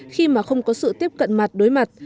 khi mà không có sự tiếp cận mặt đối mặt